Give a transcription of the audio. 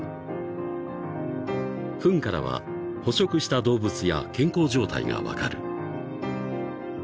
［ふんからは捕食した動物や健康状態が分かる］